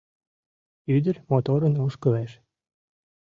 Ӱдыр моторын ошкылеш.